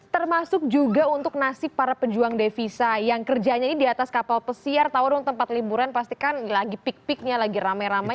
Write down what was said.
termasuk juga untuk nasib para pejuang devisa yang kerjanya ini di atas kapal pesiar tau dong tempat liburan pasti kan lagi pik piknya lagi rame ramenya mereka gak mungkin